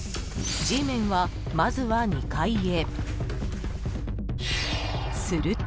［Ｇメンはまずは２階へ］